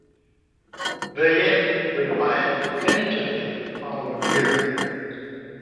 Viète replied definitively the following year.